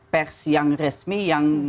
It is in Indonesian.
pers yang resmi yang